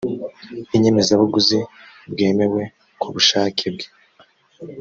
inyemezabuguzi bwemewe ku bushake bwe